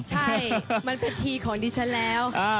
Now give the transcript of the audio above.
ใช่มันเป็นทีของดิฉันแล้ว